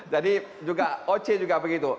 jadi juga oc juga begitu